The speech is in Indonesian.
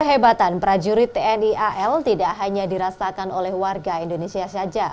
kehebatan prajurit tni al tidak hanya dirasakan oleh warga indonesia saja